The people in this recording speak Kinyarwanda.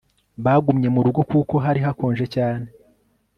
Bagumye murugo kuko hari hakonje cyane